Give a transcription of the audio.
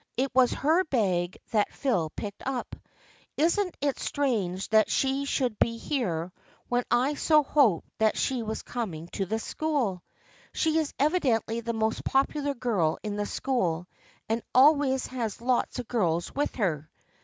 It was her bag that Phil picked up. Isn't it strange that she should be here, when I so hoped that she was coming to this school ? She is evidently the most popular girl in the school and always has lots of girls with her.